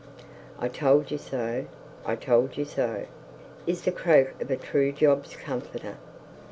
'I told you so! I told you so!' is the croak of a true Job's comforter.